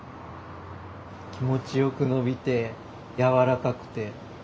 気持ち良く伸びてやわらかくて。